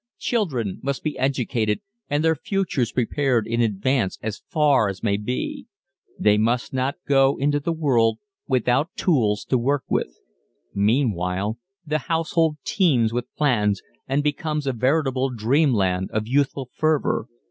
Children must be educated and their futures prepared in advance as far as may be. They must not go into the world without tools to work with. Meanwhile the household teems with plans and becomes a veritable dreamland of youthful fervor.